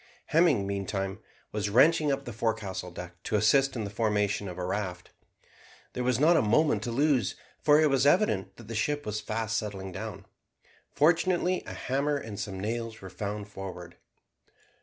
Hemming, meantime, was wrenching up the forecastle deck to assist in the formation of a raft. There was not a moment to lose, for it was evident that the ship was fast settling down. Fortunately a hammer and some nails were found forward.